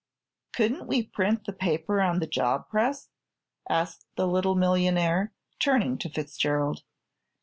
"Couldn't we print the paper on the job press?" asked the little millionaire, turning to Fitzgerald.